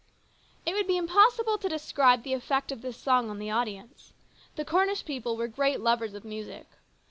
It would be impossible to describe the effect of this song on the audience. The Cornish people were great lovers of music.